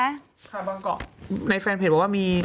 ค่ะบางเกาะในแฟนเพจบอกว่ามี